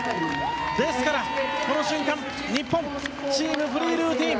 ですからこの瞬間日本、チームフリールーティン